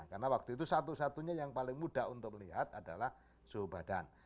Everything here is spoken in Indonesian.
karena waktu itu satu satunya yang paling mudah untuk melihat adalah suhu badan